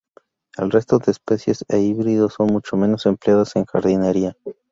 El resto de especies e híbridos son mucho menos empleadas en jardinería.